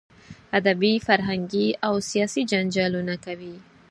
ادبي، فرهنګي او سیاسي جنجالونه کوي.